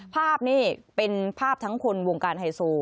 ภาพนี้เป็นภาพทั้งคนวงการไฮโซ